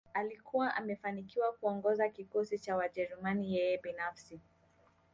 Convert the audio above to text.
Alikuwa amefanikiwa kuongoza kikosi cha Wajerumani yeye binafsi